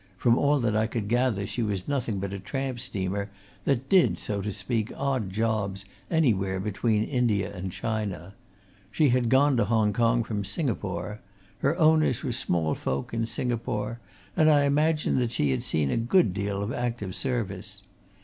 from all that I could gather she was nothing but a tramp steamer that did, so to speak, odd jobs anywhere between India and China; she had gone to Hong Kong from Singapore: her owners were small folk in Singapore, and I imagine that she had seen a good deal of active service.